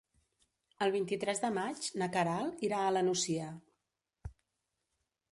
El vint-i-tres de maig na Queralt irà a la Nucia.